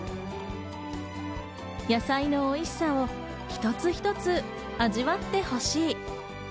野菜のおいしさを一つ一つ味わってほしい。